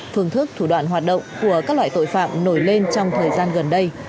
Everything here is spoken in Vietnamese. phương thức thủ đoạn hoạt động của các loại tội phạm nổi lên trong thời gian gần đây